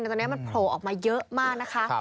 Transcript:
แต่ตอนนี้มันโผล่ออกมาเยอะมากนะคะ